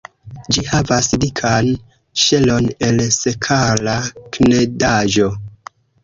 Ĝi havas dikan ŝelon el sekala knedaĵo.